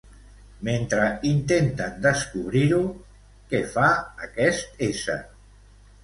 Mentre intenten descobrir-ho, què fa aquest ésser?